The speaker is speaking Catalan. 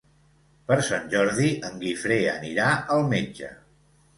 Per Sant Jordi en Guifré anirà al metge.